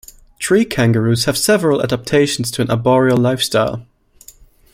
Tree-kangaroos have several adaptations to an arboreal life-style.